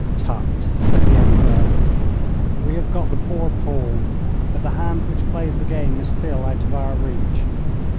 'Tut,' said the Emperor. 'We have got the poor pawn, but the hand which plays the game is still out of our reach.'